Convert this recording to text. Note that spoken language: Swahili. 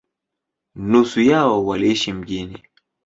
Nusu yao waliishi mjini.